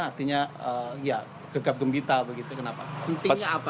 artinya ya gegap gembita begitu kenapa